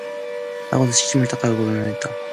하고는 시치미를 딱 갈기고 외면을 한다.